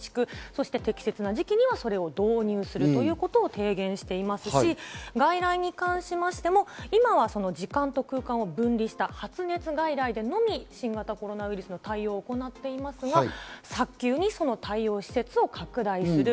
そして適切な時期には、それを導入するということを提言していますし、外来に関しましても今は時間と空間を分離した発熱外来でのみ新型コロナウイルスの対応を行っていますが、早急に、その対応施設を拡大する。